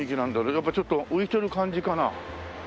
やっぱちょっと浮いてる感じかな？